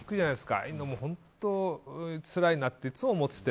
ああいうの、本当つらいなっていつも思ってて。